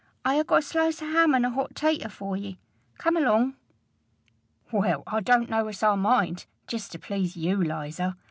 I ha' got a slice o' ham an' a hot tater for ye. Come along." "Well, I don't know as I mind jest to please you, Liza.